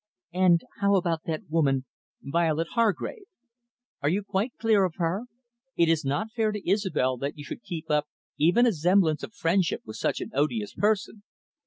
"And how about that woman, Violet Hargrave? Are you quite clear of her? It is not fair to Isobel that you should keep up even a semblance of friendship with such an odious person."